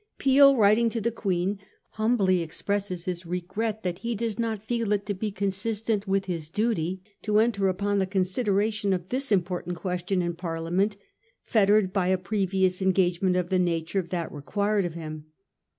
Peel, writing to the Queen, ' humbly expresses his regret that he does not feel it to be consistent with his duty to enter upon the consideration of this important question in Parliament fettered by a pre vious engagement of the nature of that required of him.